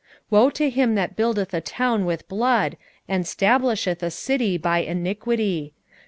2:12 Woe to him that buildeth a town with blood, and stablisheth a city by iniquity!